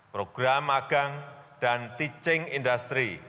program magang dan teaching industry